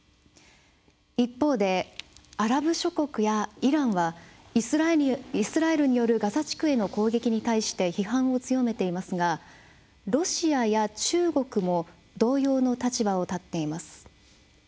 一方で、アラブ諸国やイランはイスラエルによるガザ地区への攻撃に対して批判を強めていますがロシアや中国も同様の立場をとっています。